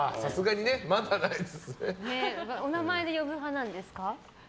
お名前で呼ぶ派なんですか？